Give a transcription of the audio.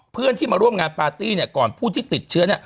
เพื่อนที่มาร่วมงานปาร์ตี้เนี่ยก่อนผู้ที่ติดเชื้อเนี่ย